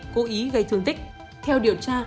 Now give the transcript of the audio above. cố ý gây thương tích theo điều tra